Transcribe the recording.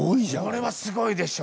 これはすごいでしょ。